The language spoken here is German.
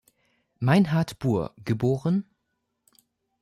Meinhart-Buhr, geb.